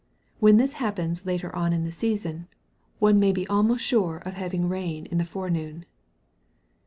When this happens later on in the season, one may be almost sure of having rain in the forenoon.